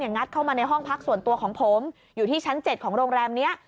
งัดเข้ามาในห้องพักส่วนตัวของผมอยู่ที่ชั้น๗ของโรงแรมนี้